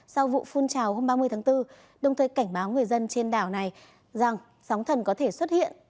sau vụ phun trào hôm ba mươi tháng bốn đồng thời cảnh báo người dân trên đảo này rằng sóng thần có thể xuất hiện